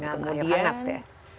dengan air hangat ya